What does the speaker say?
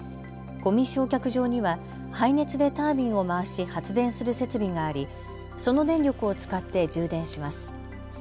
ごみ焼却場には廃熱でタービンを回し発電する設備がありその電力を使って充電します。